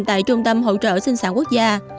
tại trung tâm hỗ trợ sinh sản quốc gia